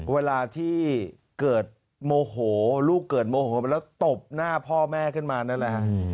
เวลาที่ลูกเกิดโมโหแล้วตบหน้าพ่อแม่ขึ้นมานั่นแหละครับ